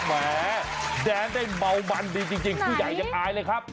แหมแดงได้เบามันดีจริงผู้ใหญ่ยังอายเลยครับ